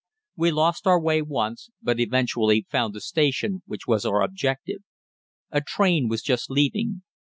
We lost our way once, but eventually found the station which was our objective. A train was just leaving.